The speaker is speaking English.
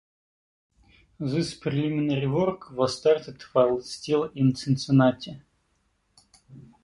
This preliminary work was started while still in Cincinnati.